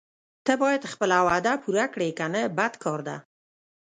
ته باید خپله وعده پوره کړې کنه بد کار ده.